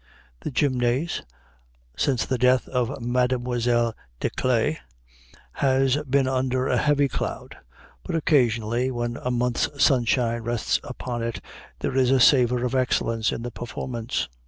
The Gymnase, since the death of Mademoiselle Desclée, has been under a heavy cloud; but occasionally, when a month's sunshine rests upon it, there is a savor of excellence in the performance.